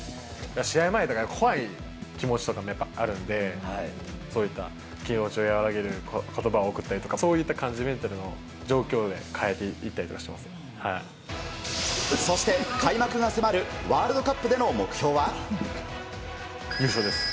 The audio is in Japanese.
試合前とか、怖い気持ちとかやっぱりあるんで、そういった気持ちを和らげること、そういった感じ、メンタルの状況そして開幕が迫るワールドカ優勝です。